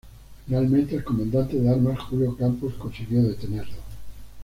Finalmente, el Comandante de Armas Julio Campos consiguió detenerlo.